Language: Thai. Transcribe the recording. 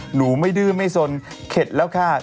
หนูไม่ดื้อไม่สนเข็ดแล้วค่ะ